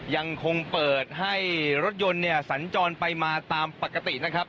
ยังคงเปิดให้รถยนต์เนี่ยสัญจรไปมาตามปกตินะครับ